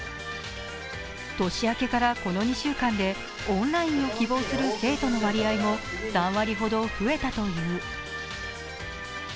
年明けからこの２週間でオンラインを希望する生徒の割合も３割ほど増えたという。